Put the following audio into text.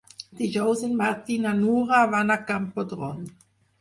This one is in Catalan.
Dijous en Martí i na Nura van a Camprodon.